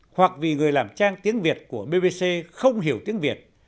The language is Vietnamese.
hoặc vì người làm trang tiếng việt của bbc không hiểu tiếng việt